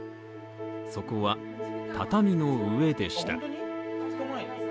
そこは畳の上でした。